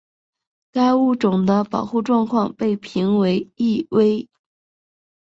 该物种的保护状况被评为易危。